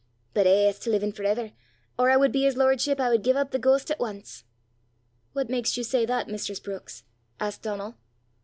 But eh, as to livin' for ever, or I wud be his lordship, I wud gie up the ghost at ance!" "What makes you say that, mistress Brookes?" asked Donal.